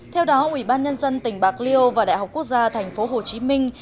theo đó ủy ban nhân dân tỉnh bạc liêu và đại học quốc gia tp hồ chí minh